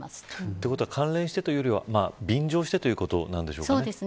ということは関連してというよりは便乗してということなんでしょうか。